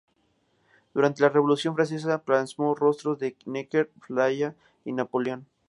Durante la Revolución francesa, plasmó los rostros de Necker, Lafayette y Napoleón.